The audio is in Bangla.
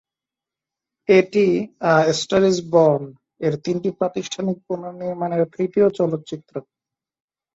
এটি "আ স্টার ইজ বর্ন"-এর তিনটি প্রাতিষ্ঠানিক পুনর্নির্মাণের তৃতীয় চলচ্চিত্র।